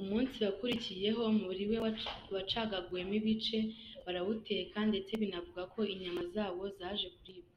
Umunsi wakurikiyeho umubiri we wacagaguwemo ibice, barawuteka ndetse binavugwa ko inyama zawo zaje kuribwa.